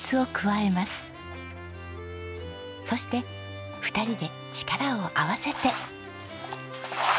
そして２人で力を合わせて。